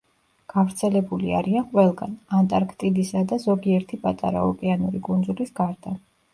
გავრცელებული არიან ყველგან, ანტარქტიდისა და ზოგიერთი პატარა ოკეანური კუნძულის გარდა.